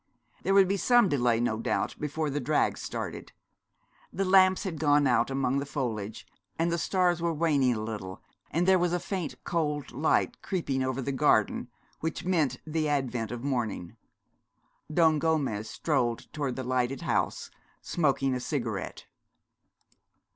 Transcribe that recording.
There would be some delay no doubt before the drag started. The lamps had gone out among the foliage, and the stars were waning a little, and there was a faint cold light creeping over the garden which meant the advent of morning. Don Gomez strolled towards the lighted house, smoking a cigarette.